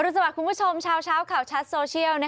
สวัสดีคุณผู้ชมเช้าข่าวชัดโซเชียล